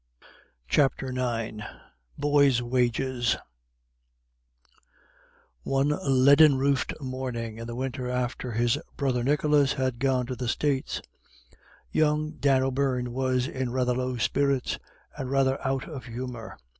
CHAPTER IX BOYS' WAGES One leaden roofed morning in the winter after his brother Nicholas had gone to the States, young Dan O'Beirne was in rather low spirits, and rather out of humour.